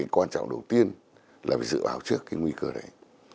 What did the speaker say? quan trọng đầu tiên là phải dự báo trước nguy cơ đấy